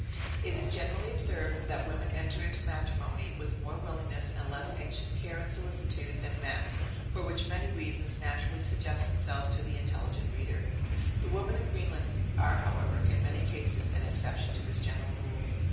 It is generally observed, that women enter into matrimony with more willingness, and less anxious care and solicitude, than men, for which many reasons naturally suggest themselves to the intelligent reader. The women of Greenland are however, in many cases, an exception to this general rule.